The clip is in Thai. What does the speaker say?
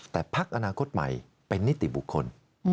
แต่พักอนาคตใหม่เป็นนิติบุคคล